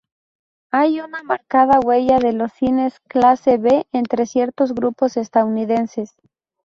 Hay una marcada huella de los cines clase B entre ciertos grupos estadounidenses.